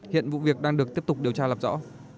hiện vụ việc đang được tiếp tục điều tra lập rõ